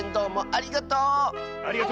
ありがとう！